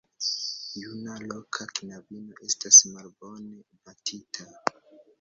Juna loka knabino estas malbone batita.